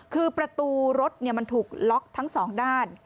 คือประตูรถมันถูกล็อกทั้งสองด้าน